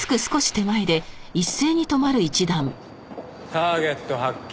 ターゲット発見。